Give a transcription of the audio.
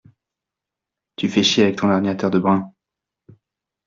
Tu fais chier avec ton ordinateur de brin.